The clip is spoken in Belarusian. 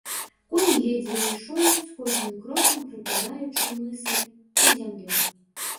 Конь ледзьве ішоў, з кожным крокам прыпадаючы мысай у зямлю.